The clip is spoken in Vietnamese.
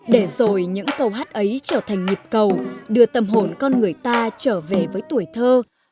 để rồi những câu hát ấy trở thành nhịp cầu đưa tâm hồn con người ta trở về với tuổi thơ